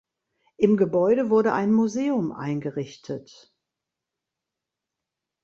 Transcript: Im Gebäude wurde ein Museum eingerichtet.